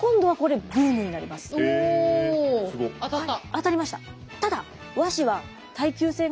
当たりました。